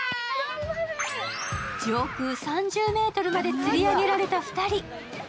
上空３０ｍまでつり上げられた２人。